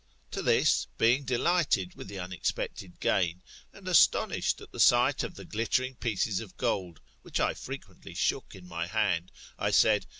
To this, being delighted with the unexpected gain, and aston ished at the sight of the glittering pieces of gold, which I fre quently shook in my hand, I said.